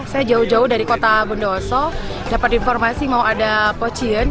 saya jauh jauh dari kota bundoso dapat informasi mau ada pochien